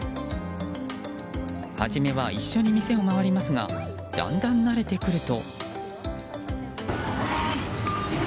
初めは一緒に店を回りますがだんだん慣れてくると。